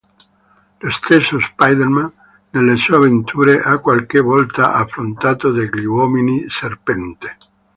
Lo stesso Spider-Man, nelle sue avventure, ha qualche volta affrontato degli uomini serpente.